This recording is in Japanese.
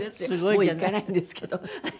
もう行かないんですけど。